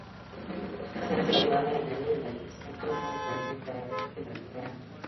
神山由美子是日本兵库县出身的剧本作家。